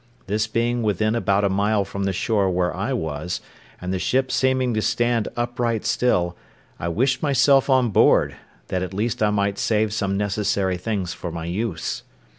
This being within about a mile from the shore where I was, and the ship seeming to stand upright still, I wished myself on board, that at least I might save some necessary things for my use.